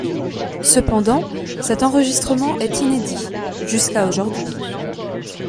Cependant, cet enregistrement est inédit jusqu'à aujourd'hui.